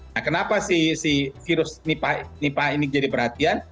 nah kenapa si virus nipah ini jadi perhatian